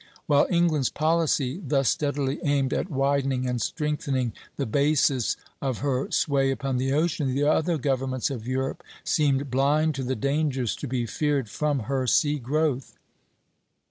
While England's policy thus steadily aimed at widening and strengthening the bases of her sway upon the ocean, the other governments of Europe seemed blind to the dangers to be feared from her sea growth.